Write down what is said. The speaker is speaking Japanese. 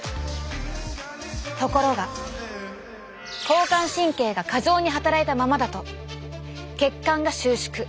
ところが交感神経が過剰に働いたままだと血管が収縮。